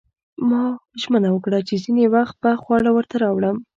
ما ژمنه وکړه چې ځینې وخت به خواړه ورته راوړم